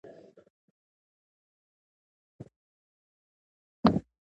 د صادقو او وطن پالو مشرانو شتون د افغانستان د خلاصون یوازینۍ لاره ده.